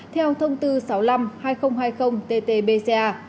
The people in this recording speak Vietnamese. theo thông tư sáu mươi năm hai nghìn hai mươi tt bca